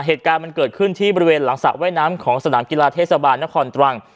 เหตุการณ์มันเกิดขึ้นที่บริเวณหลังสระว่ายน้ำของสนามกีฬาเทศบาลนครตรัง